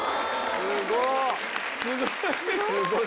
すごい。